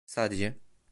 Sadece...